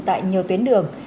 tại nhiều tuyến đường